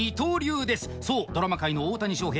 そうドラマ界の大谷翔平。